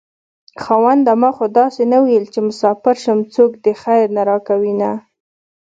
خاونده ما خو داسې نه وېل چې مساپر شم څوک دې خير نه راکوينه